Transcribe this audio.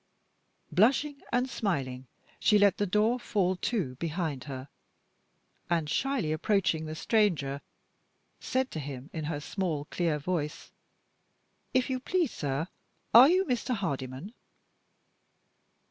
Blushing and smiling, she let the door fall to behind her, and, shyly approaching the stranger, said to him, in her small, clear voice, "If you please, sir, are you Mr. Hardyman?"